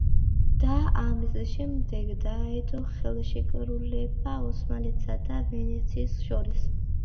და ამის შემდეგ დაიდო ხელშეკრულება ოსმალეთსა და ვენეციას შორის.